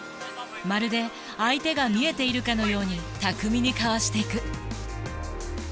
まるで相手が見えているかのように巧みにかわしていく。